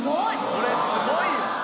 これすごいよ！